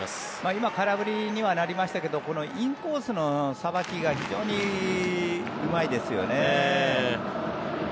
今空振りにはなりましたけどこのインコースのさばきが非常にうまいですよね。